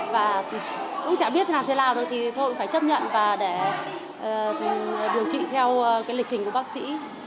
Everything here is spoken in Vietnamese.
và cũng chả biết làm thế nào thôi thì thôi cũng phải chấp nhận và để điều trị theo lịch trình của bác sĩ